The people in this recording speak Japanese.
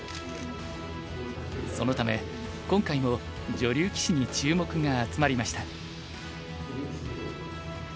そのため今回も女流棋士に注目が集まりました。